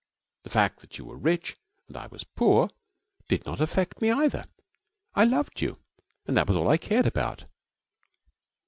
And the fact that you were rich and I was poor did not affect me either. I loved you, and that was all I cared about.